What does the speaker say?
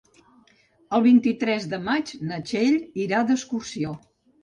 El vint-i-tres de maig na Txell irà d'excursió.